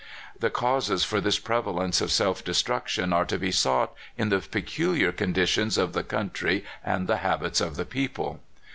The causes for this prevalence of self destruction are to be sought in the peculiar conditions of the country and the habits of the people.